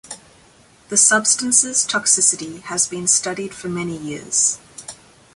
The substance's toxicity has been studied for many years.